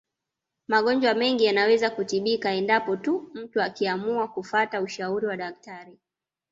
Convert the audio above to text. Magonjwa mengi yanaweza kutibika endapo tu mtu akiamua kufata ushauri wa daktari